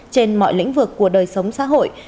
trên mọi lĩnh vực của đời sống xã hội